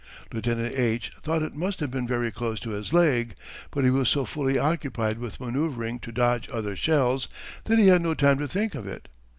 Lieutenant H. thought it must have been very close to his leg, but he was so fully occupied with manoeuvring to dodge other shells that he had no time to think of it.